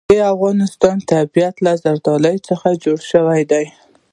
د افغانستان طبیعت له زردالو څخه جوړ شوی دی.